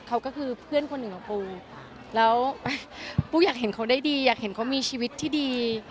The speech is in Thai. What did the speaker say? เขาก็คือเพื่อนคนหนึ่งของปูแล้วปูอยากเห็นเขาได้ดีอยากเห็นเขามีชีวิตที่ดี